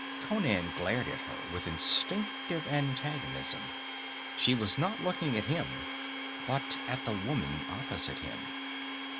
Conan glared at her with instinctive antagonism; she was not looking at him, but at the woman opposite him.